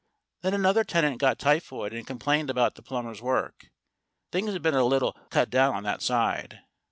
Then another tenant got typhoid, and complained about the plumber's work. Things had been a little cut down on that side.